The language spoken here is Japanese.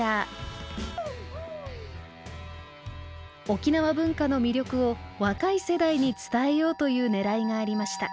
沖縄文化の魅力を若い世代に伝えようという狙いがありました。